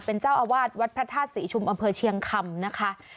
เป็นเจ้าอาวาสวัดพระธาตุศรีชุมอำเภอเชียงคำนะคะ